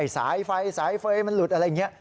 สายไฟสายเฟย์มันหลุดอะไรอย่างนี้